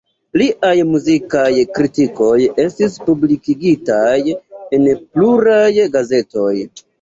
Liaj muzikaj kritikoj estis publikigitaj en pluraj gazetoj.